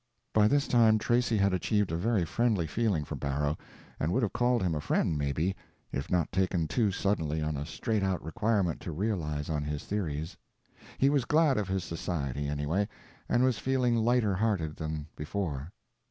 By this time Tracy had achieved a very friendly feeling for Barrow and would have called him a friend, maybe, if not taken too suddenly on a straight out requirement to realize on his theories. He was glad of his society, anyway, and was feeling lighter hearted than before.